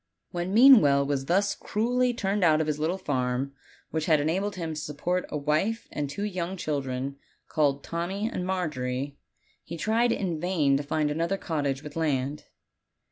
When Meanwell was thus cruelly turned out of his little farm, which had enabled him to .support a wife and two young children, called Tommy and Margery, he tried in vain to find another cottage with laud.